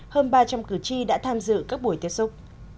hơn ba trăm linh cử tri đã tham dự các buổi tiếp xúc